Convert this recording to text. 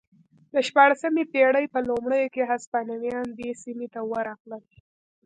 د شپاړسمې پېړۍ په لومړیو کې هسپانویان دې سیمې ته ورغلل